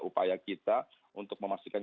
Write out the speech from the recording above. upaya kita untuk memastikan